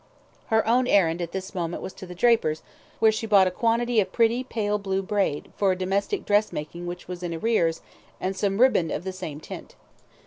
Her own errand at this moment was to the draper's, where she bought a quantity of pretty pale blue braid, for a little domestic dressmaking which was in arrears, and some riband of the same tint.